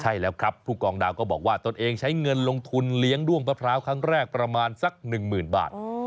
ใช่แล้วครับผู้กองดาวก็บอกว่าตนเองใช้เงินลงทุนเลี้ยงด้วงมะพร้าวครั้งแรกประมาณสักหนึ่งหมื่นบาท